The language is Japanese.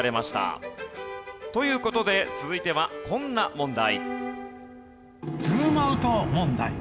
という事で続いてはこんな問題。